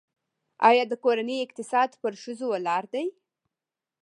آیا د کورنۍ اقتصاد پر ښځو ولاړ دی؟